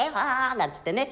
なんつってね